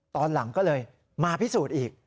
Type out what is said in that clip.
ตอนหลังก็เลยมาพิสูจน์อีก